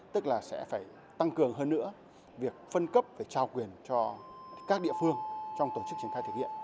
tức là sẽ phải tăng cường hơn nữa việc phân cấp và trao quyền cho các địa phương trong tổ chức triển khai thực hiện